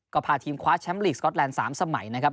ก็พาทีมคว้าแชมป์ลีกสก๊อตแลนด์๓สมัยนะครับ